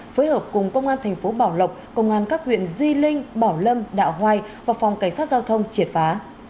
phối hợp cùng công an thành phố bảo lộc công an các huyện di linh bảo lâm đạo hoài và phòng cảnh sát giao thông triệt phá